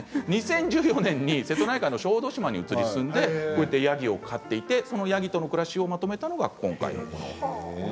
２０１４年に瀬戸内海の小豆島に移り住んでヤギを飼っていてその暮らしをまとめたのが今回のエッセーです。